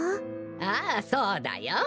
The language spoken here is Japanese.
ああそうだよ。